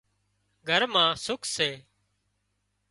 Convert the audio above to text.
گھر مان سُک سي